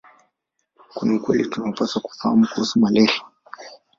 Kuna ukweli tunaopaswa kufahamu kuhusu malaria